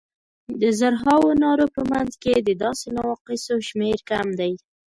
د زرهاوو نارو په منځ کې د داسې نواقصو شمېر کم دی.